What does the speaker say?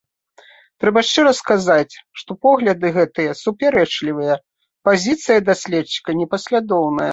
Трэба шчыра сказаць, што погляды гэтыя супярэчлівыя, пазіцыя даследчыка непаслядоўная.